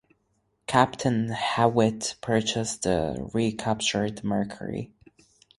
Captain Hewitt purchased the recaptured "Mercury".